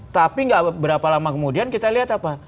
tapi nggak berapa lama kemudian kita lihat apa